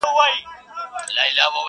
ستا تر پوهي مي خپل نیم عقل په کار دی!.